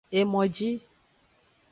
Emoji.